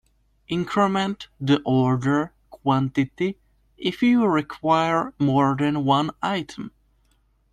Increment the order quantity if you require more than one item.